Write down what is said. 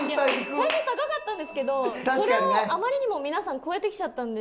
最初高かったんですけどそれをあまりにも皆さん超えてきちゃったので。